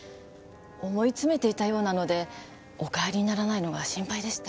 思い詰めていたようなのでお帰りにならないのが心配でした。